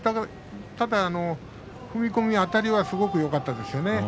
ただ踏み込みとあたりはすごくよかったですね。